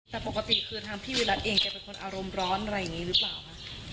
แต่ปกติคือทางพี่วิรัติเองแกเป็นคนอารมณ์ร้อนอะไรอย่างนี้หรือเปล่าคะ